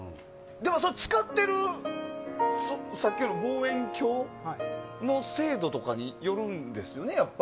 使ってる望遠鏡の精度とかによるんですよね。